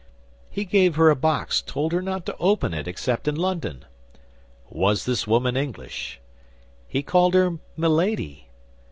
"He gave her a box, told her not to open it except in London." "Was this woman English?" "He called her Milady."